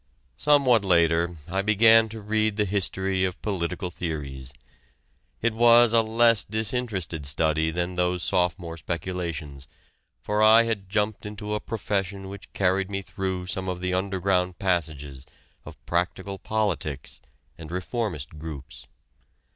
Somewhat later I began to read the history of political theories. It was a less disinterested study than those sophomore speculations, for I had jumped into a profession which carried me through some of the underground passages of "practical politics" and reformist groups.